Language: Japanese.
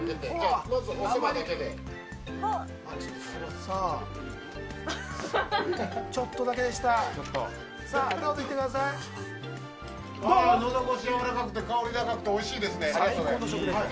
のどごしがやわらかくて香り高くておいしいです。